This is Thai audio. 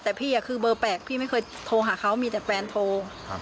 แต่พี่คือเบอร์แปลกพี่ไม่เคยโทรหาเขามีแต่แฟนโทร